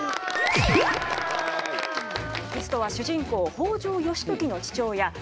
ゲストは主人公北条義時の父親